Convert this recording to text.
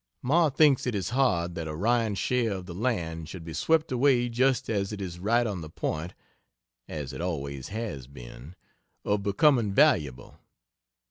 Ma thinks it is hard that Orion's share of the land should be swept away just as it is right on the point (as it always has been) of becoming valuable.